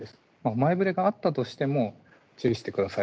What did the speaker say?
前ぶれがあったとしても注意してください